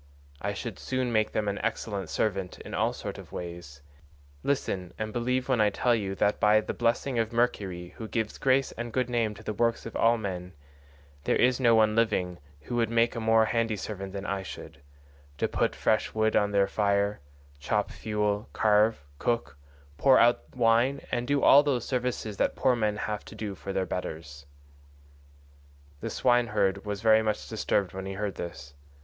I should soon make them an excellent servant in all sorts of ways. Listen and believe when I tell you that by the blessing of Mercury who gives grace and good name to the works of all men, there is no one living who would make a more handy servant than I should—to put fresh wood on the fire, chop fuel, carve, cook, pour out wine, and do all those services that poor men have to do for their betters." The swineherd was very much disturbed when he heard this.